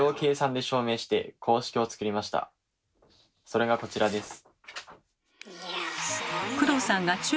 それがこちらです。